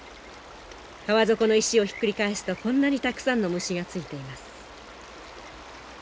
川底の石をひっくり返すとこんなにたくさんの虫がついています。